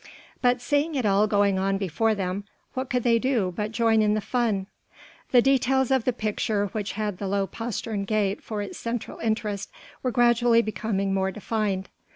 But seeing it all going on before them, what could they do but join in the fun? The details of the picture which had the low postern gate for its central interest were gradually becoming more defined.